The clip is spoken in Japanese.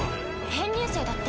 編入生だって。